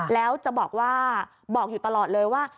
แล้วจะบอกว่าบอกอยู่ตลอดเลยว่า